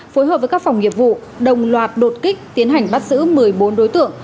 phối hợp với các phòng nghiệp vụ đồng loạt đột kích tiến hành bắt giữ một mươi bốn đối tượng